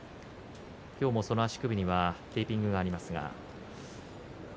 今日もその足首にはテーピングがあります。